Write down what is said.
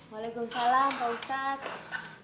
waalaikumsalam pak ustadz